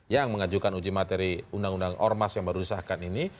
yang mengajukan uji materi undang undang ormas yang baru disahkan ini